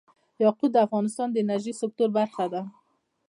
یاقوت د افغانستان د انرژۍ سکتور برخه ده.